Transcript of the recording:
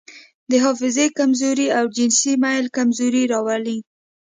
د حافظې کمزوري او جنسي میل کمزوري راولي.